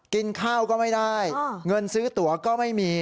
กินข้าวก็ไม่ได้เงินซื้อตัวก็ไม่มี